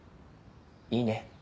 いいね。